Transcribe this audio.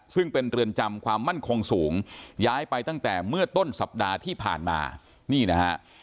ซึ่งเป็นเรือนจำความมั่นคงสูงย้ายไปตั้งแต่เมื่อต้นสัปดาห์ที่ผ่านมานี่นะฮะ